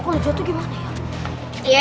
kalau jatuh gimana ya